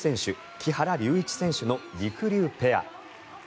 木原龍一選手のりくりゅうペア。